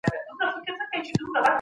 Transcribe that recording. موږ بايد د معلم قدر وکړو.